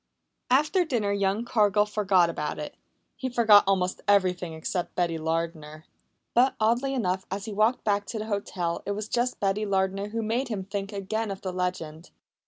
After dinner young Cargill forgot about it. He forgot almost everything except Betty Lardner. But, oddly enough, as he walked back to the hotel it was just Betty Lardner who made him think again of the legend.